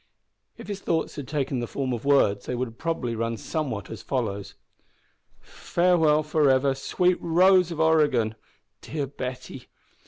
If his thoughts had taken the form of words they would probably have run somewhat as follows: "Farewell for ever, sweet Rose of Oregon! Dear Betty!